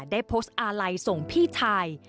ได้โพสต์อาลัยส่งพี่ชาย